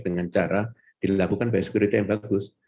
dengan cara dilakukan biosecurity yang bagus